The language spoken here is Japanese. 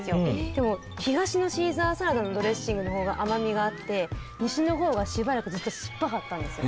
でも東のシーザーサラダのドレッシングの方が甘みがあって西の方はしばらくずっと酸っぱかったんですよ。